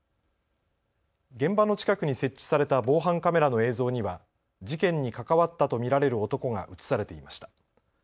現場の近くに設置された防犯カメラの映像には事件に関わったと見られる男が写されていました。